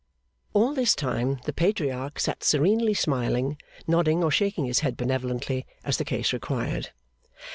All this time the Patriarch sat serenely smiling; nodding or shaking his head benevolently, as the case required.